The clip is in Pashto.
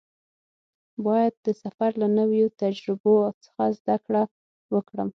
باید د سفر له نویو تجربو څخه زده کړه وکړم.